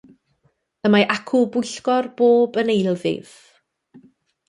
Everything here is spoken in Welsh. Y mae acw bwyllgor bob yn eilddydd.